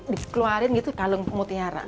dikeluarin gitu kalung mutiara